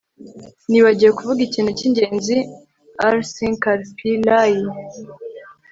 Nibagiwe kuvuga ikintu cyingenzi rsankarpillai